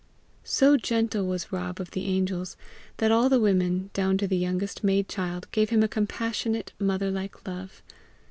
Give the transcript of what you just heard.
So gentle was Rob of the Angels, that all the women, down to the youngest maid child, gave him a compassionate, mother like love.